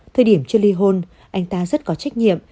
thời điểm chưa ly hôn anh ta rất có trách nhiệm